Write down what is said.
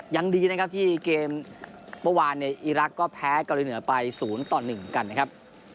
ยังดีนะครับที่เกมเมื่อวานเนี่ยอีรักษ์ก็แพ้เกาหลีเหนือไป๐ต่อ๑กันนะครับ